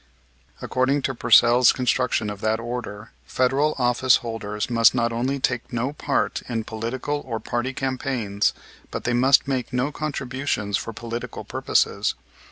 According to Pursell's construction of that order, Federal office holders must not only take no part in political or party campaigns, but they must make no contributions for political purposes.